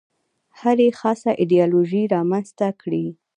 هرې خاصه ایدیالوژي رامنځته کړې.